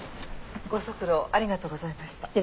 ご足労ありがとうございました。